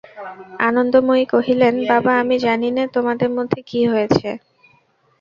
আনন্দময়ী কহিলেন, বাবা, আমি জানি নে তোমাদের মধ্যে কী হয়েছে।